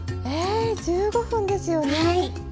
１５分ですよね。